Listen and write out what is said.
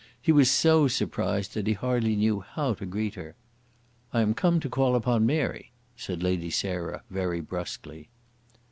He was so surprised that he hardly knew how to greet her. "I am come to call upon Mary," said Lady Sarah, very brusquely.